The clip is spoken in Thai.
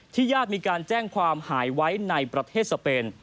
ญาติมีการแจ้งความหายไว้ในประเทศสเปน